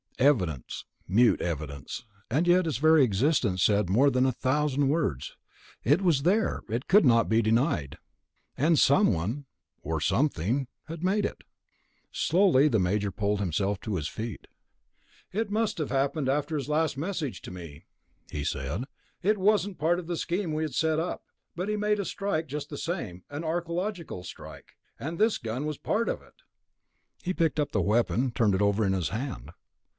Evidence, mute evidence, and yet its very existence said more than a thousand words. It was there. It could not be denied. And someone ... or something ... had made it. Slowly the Major pulled himself to his feet. "It must have happened after his last message to me," he said. "It wasn't part of the scheme we had set up, but he made a strike just the same ... an archeological strike ... and this gun was part of it." He picked up the weapon, turned it over in his hand.